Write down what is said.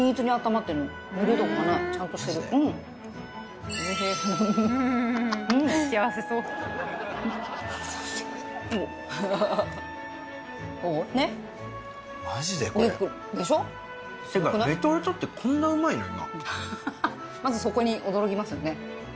まずそこに驚きますよね。